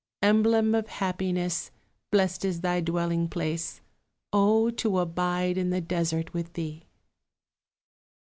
Emblem of happiness, Blest is thy dwelling place O to abide in the desert with thee!